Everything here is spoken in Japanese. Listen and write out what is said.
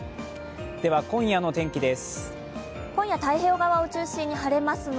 今夜のお天気です。